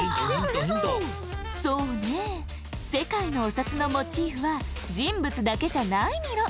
そうねえせかいのお札のモチーフはじんぶつだけじゃないミロ。